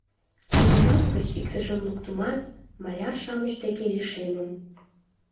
Чемодан гыч иктыжым луктымат, маляр-шамыч деке лишемым.